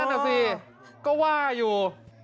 นั่นแหละสิก็ว่าอยู่